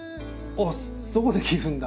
あっそこで切るんだ！